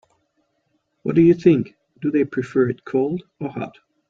What do you think, do they prefer it cold or hot?